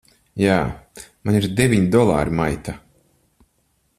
Jā. Man ir deviņi dolāri, maita!